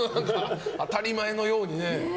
当たり前のようにね。